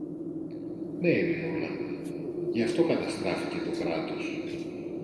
Ναι, Ειρηνούλα, γι' αυτό καταστράφηκε το Κράτος.